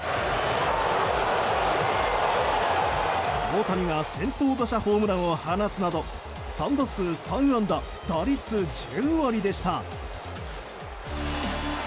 大谷が先頭打者ホームランを放つなど３打数３安打打率１０割でした。